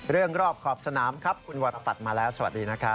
เรื่องรอบครอบศน้ำคุณหวัดปัดมาแล้วสวัสดีนะคะ